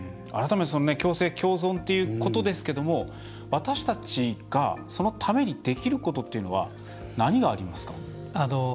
改めて共生共存っていうことですけども私たちがそのためにできることっていうのは何がありますか？